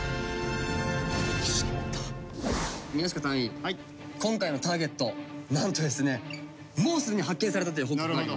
宮近隊員今回のターゲットなんとですねもうすでに発見されたという報告があります。